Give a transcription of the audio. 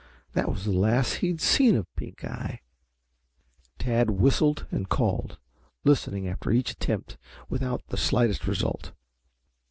That was the last he had seen of Pink eye. Tad whistled and called, listening after each attempt without the slightest result.